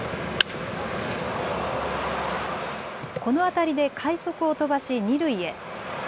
この当たりで快足を飛ばし二塁へ。